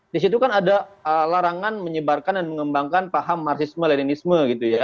di situ kan ada larangan menyebarkan dan mengembangkan paham marxisme leninisme gitu ya